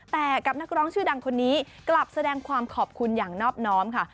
แต่กับนักร้องชื่อดังคนนี้กลับแสดงความขอบคุณอย่างนอบน้อมค่ะ